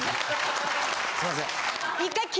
すいません！